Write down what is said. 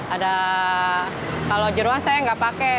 ada kalau jeruan saya nggak pakai